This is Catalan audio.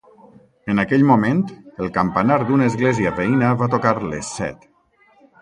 En aquell moment, el campanar d'una església veïna va tocar les set.